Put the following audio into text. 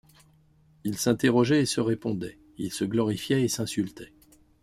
Il s’interrogeait et se répondait ; il se glorifiait et s’insultait.